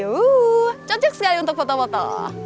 uu cocok sekali untuk foto foto